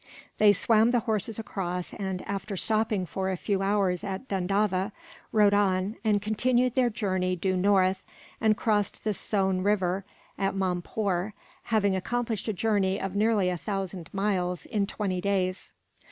They swam the horses across and, after stopping for a few hours at Dundava, rode on; and continued their journey due north, and crossed the Sone river at Maunpoor, having accomplished a journey of nearly a thousand miles in twenty days.